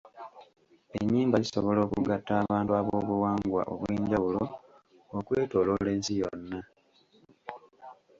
Ennyimba zisobola okugatta abantu ab'obuwangwa obw'enjawulo okwetooloola ensi yonna.